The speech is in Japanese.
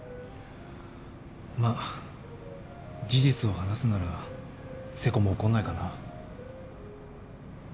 まっ事実を話すなら瀬古も怒んないかな。